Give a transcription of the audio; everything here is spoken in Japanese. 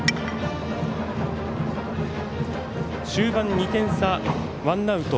終盤２点差、ワンアウト。